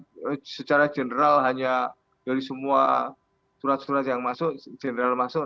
karena secara general hanya dari semua surat surat yang masuk general masuk